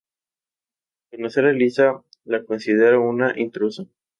Al conocer a Elisa la considera una intrusa.